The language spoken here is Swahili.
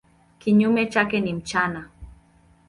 Kinyume chake ni mchana.